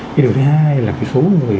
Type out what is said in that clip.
cái điều thứ hai là cái số người